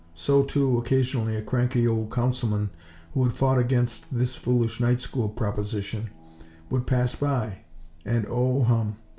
So, too, occasionally a cranky old Councilman, who had fought against "this foolish night school proposition," would pass by; and, oh, hum!!